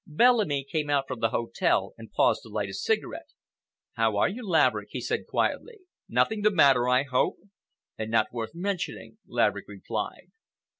Bellamy came out from the hotel and paused to light a cigarette. "How are you, Laverick?" he said quietly. "Nothing the matter, I hope?" "Nothing worth mentioning," Laverick replied.